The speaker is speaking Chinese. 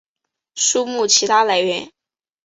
书目其它来源